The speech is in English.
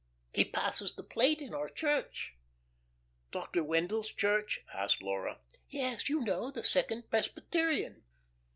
He passes the plate in our church." "Dr. Wendell's church?" asked Laura. "Yes you know the Second Presbyterian."